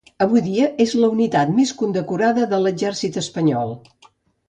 Avui dia és la unitat més condecorada de l'Exèrcit Espanyol.